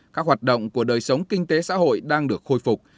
các hoạt động của đời sống kinh tế xã hội đang được khôi phục